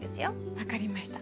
分かりました。